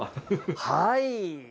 はい！